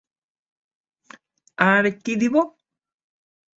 আর কী দিব?